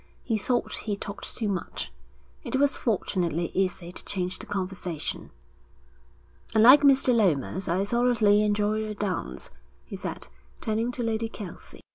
He thought he talked too much. It was fortunately easy to change the conversation. 'Unlike Mr. Lomas, I thoroughly enjoy a dance,' he said, turning to Lady Kelsey.